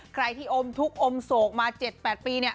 ใครที่อมทุกข์อมโศกมา๗๘ปี